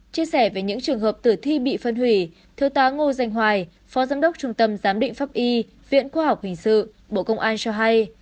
chia sẻ về những trường hợp tử thi bị phân hủy thiếu tá ngô danh hoài phó giám đốc trung tâm giám định pháp y viện khoa học hình sự bộ công an cho hay